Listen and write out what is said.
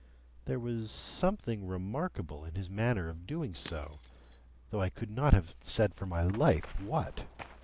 There was something remarkable in his manner of doing so, though I could not have said for my life what.